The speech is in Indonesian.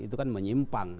itu kan menyimpang